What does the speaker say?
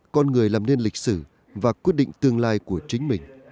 con người làm nên lịch sử và quyết định tương lai của chính mình